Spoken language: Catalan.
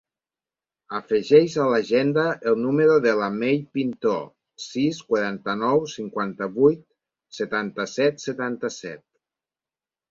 Afegeix a l'agenda el número de la Mei Pintor: sis, quaranta-nou, cinquanta-vuit, setanta-set, setanta-set.